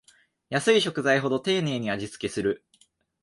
安い食材ほど丁寧に味つけする